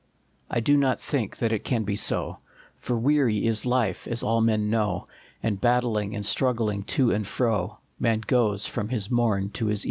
I do not think that it can be so ; For weary is life, as all men know, And battling and struggling to and fro Man goes from his morn to his even.